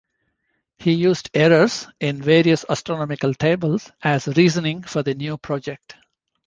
He used errors in various astronomical tables as reasoning for the new project.